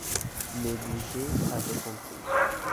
Mais Goujet avait compris.